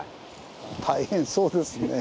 大変そうですね。